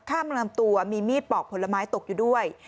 ข้ามกลางตัวมีมีดปอกผลไม้ตกอยู่ด้วย